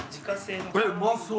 えっうまそう！